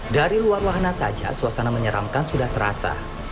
dari luar wahana saja suasana menyeramkan sudah terasa